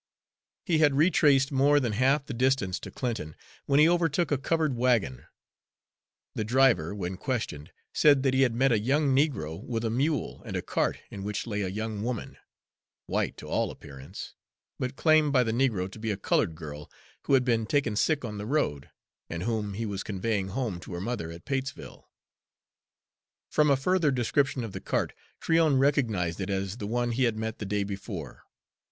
He had retraced more than half the distance to Clinton when he overtook a covered wagon. The driver, when questioned, said that he had met a young negro with a mule, and a cart in which lay a young woman, white to all appearance, but claimed by the negro to be a colored girl who had been taken sick on the road, and whom he was conveying home to her mother at Patesville. From a further description of the cart Tryon recognized it as the one he had met the day before.